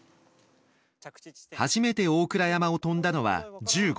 初めて大倉山を飛んだのは１５歳。